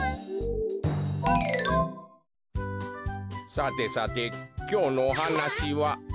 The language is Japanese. さてさてきょうのおはなしは。